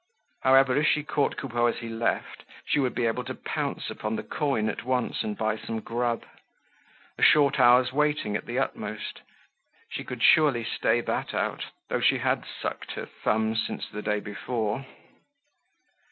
However, if she caught Coupeau as he left, she would be able to pounce upon the coin at once and buy some grub. A short hour's waiting at the utmost; she could surely stay that out, though she had sucked her thumbs since the day before.